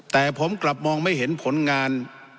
แต่ผมกลับมองไม่เห็นผลงาน